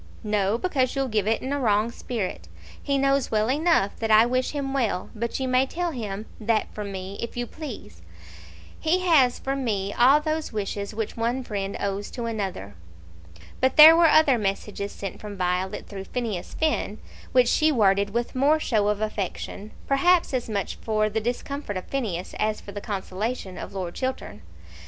"No; because you'll give it in a wrong spirit. He knows well enough that I wish him well; but you may tell him that from me, if you please. He has from me all those wishes which one friend owes to another." But there were other messages sent from Violet through Phineas Finn which she worded with more show of affection, perhaps as much for the discomfort of Phineas as for the consolation of Lord Chiltern.